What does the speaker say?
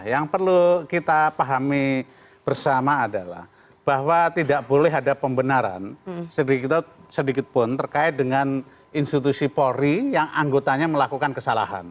yang perlu kita pahami bersama adalah bahwa tidak boleh ada pembenaran sedikitpun terkait dengan institusi polri yang anggotanya melakukan kesalahan